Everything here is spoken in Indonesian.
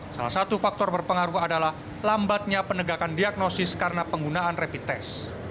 salah satu faktor berpengaruh adalah lambatnya penegakan diagnosis karena penggunaan rapid test